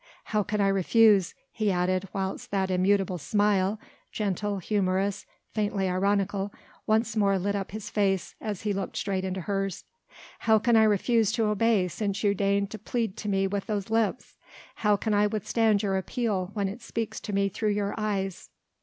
How can I refuse," he added whilst that immutable smile, gentle, humorous, faintly ironical, once more lit up his face as he looked straight into hers, "how can I refuse to obey since you deign to plead to me with those lips? how can I withstand your appeal when it speaks to me through your eyes?"